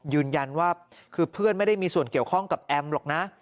ยืนยันว่าคือเพื่อนไม่ได้มีส่วนเกี่ยวข้องกับแอมหรอกนะ